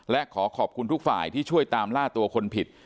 และขอขอบคุณทุกฝ่ายที่ช่วยตามล่าตัวคนผิด